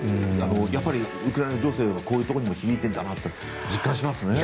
やっぱり、ウクライナ情勢がこういうところにも響いているのだなって実感しますね。